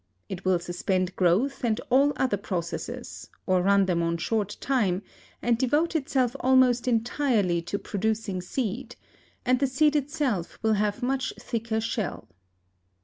It will suspend growth and all other processes, or run them on short time and devote itself almost entirely to producing seed, and the seed itself will have much thicker shell.